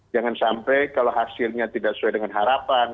jangan sampai kalau hasilnya tidak sesuai dengan harapan